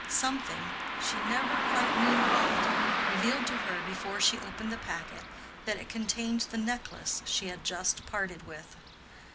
Something—she never quite knew what—revealed to her before she opened the packet that it contained the necklace she had just parted with.